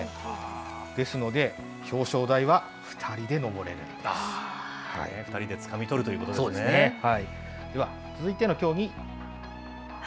ですので、表彰台は２人で上２人でつかみ取るということでは、続いての競技。